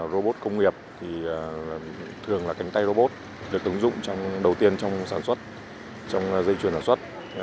robot công nghiệp thì thường là cánh tay robot được ứng dụng đầu tiên trong sản xuất trong dây chuyển sản xuất